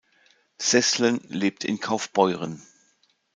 Seeßlen lebt in Kaufbeuren.